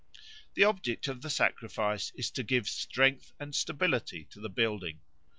The object of the sacrifice is to give strength and stability to the building.